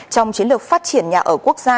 trong chiến lược phát triển nhà ở quốc gia